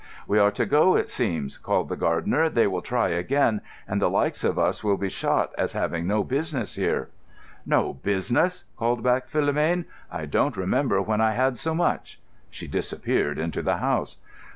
"We are to go, it seems," called the gardener. "They will try again, and the likes of us will be shot as having no business here." "No business?" called back Philomène. "I don't remember when I had so much." She disappeared into the house.